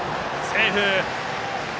セーフ。